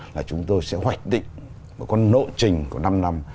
là chúng tôi sẽ hoạch định một con nộ trình của năm năm